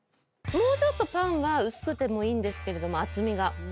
もうちょっとパンは薄くてもいいんですけれども厚みが。